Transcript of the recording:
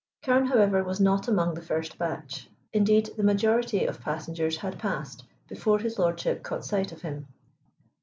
Carne, however, was not among the first batch; indeed, the majority of passengers had passed before his lordship caught sight of him.